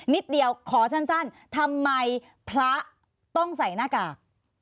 นิดเดียวขอสั้นทำไมพระต้องใส่หน้ากาก